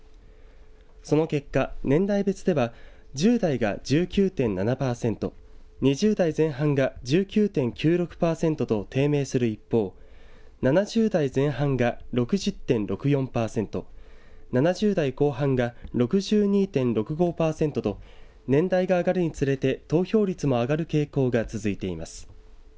その結果、年代別では１０代が１９．７パーセント２０代前半が１９．９６パーセントと低迷する一方７０代前半が６０．６４パーセント７０代後半が６２．６５パーセントと年代が上がるにつれて投票率も上がる傾向が続いています。